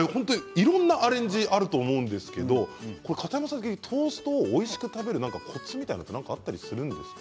いろいろなアレンジがあると思うんですがトーストをおいしく食べるコツは何かあったりするんですか。